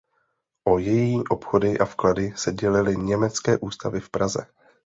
O její obchody a vklady se dělily německé ústavy v Praze.